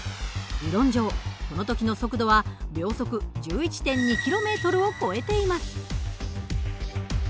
理論上この時の速度は秒速１１．２ｋｍを超えています。